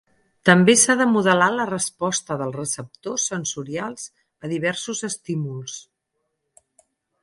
També s'ha de modelar la resposta dels receptors sensorials a diversos estímuls.